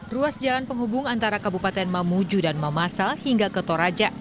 ruas jalan penghubung antara kabupaten mamuju dan mamasa hingga ke toraja